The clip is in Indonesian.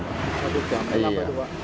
satu jam kenapa dua